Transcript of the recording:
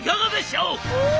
「お！」。